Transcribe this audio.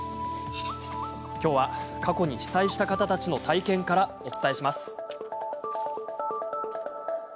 きょうは過去に被災した方たちの体験からお伝えします。